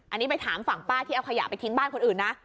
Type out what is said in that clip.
อันนี้ไปถามฝั่งป้าที่เอาขยะไปทิ้งบ้านคนอื่นนะ